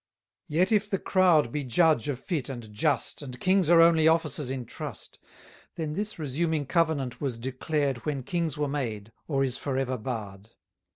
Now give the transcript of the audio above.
Yet if the crowd be judge of fit and just, And kings are only officers in trust, Then this resuming covenant was declared When kings were made, or is for ever barr'd.